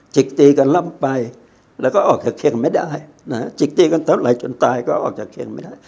จิกตีกันล่ำไปแล้วก็ออกจากเคียงไม่ได้นะฮะจิกตีกันเท่าไหร่จนตายก็ออกจากเคียงไม่ได้